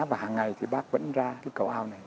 và hàng ngày thì bác vẫn ra cái cầu ao này